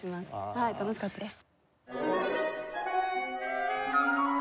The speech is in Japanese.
はい楽しかったです。